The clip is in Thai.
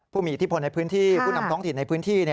ผู้มีอิทธิพลในพื้นที่ผู้นำท้องถิ่นในพื้นที่